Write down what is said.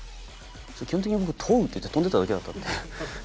基本的に僕「トォ！」って言って跳んでただけだったんで。